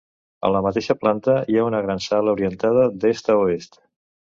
A la mateixa planta hi ha una gran sala orientada d'est a oest.